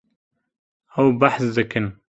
Ew behs dikin.